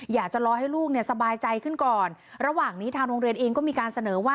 อยากจะรอให้ลูกเนี่ยสบายใจขึ้นก่อนระหว่างนี้ทางโรงเรียนเองก็มีการเสนอว่า